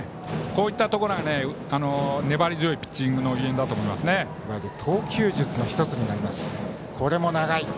こういったところが粘り強いピッチングのゆえんだと投球術の１つになります。